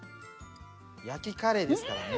焼きカレーですからね。